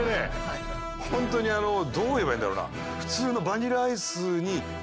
本当にあのどう言えばいいんだろうな？